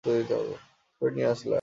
কই নিয়া আসলা?